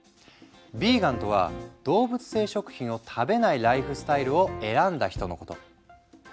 ヴィーガンとは動物性食品を食べないライフスタイルを選んだ人のこと。